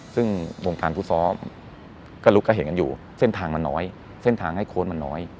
ซึ่งวงการฟุตซ้อมก็ลุกให้เห็นกันอยู่เส้นทางมันน้อยเส้นทางให้โค้ดมันน้อย